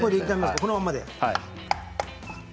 このままで。